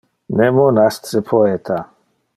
Nemo nasce poeta.